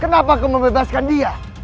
kenapa kau membebaskan dia